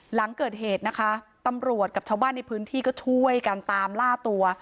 หลังเกิดเหตุนะคะตำรวจกับชาวบ้านในพื้นที่ก็ช่วยกันตามล่าตัว